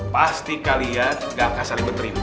pasti kalian gak akan saling menerima